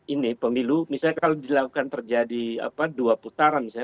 ini pemilu misalnya kalau dilakukan terjadi dua putaran misalnya